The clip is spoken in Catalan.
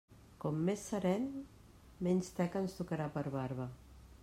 Com més serem, menys teca ens tocarà per barba.